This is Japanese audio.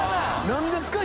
何ですか？